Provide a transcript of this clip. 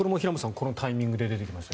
このタイミングで出てきました。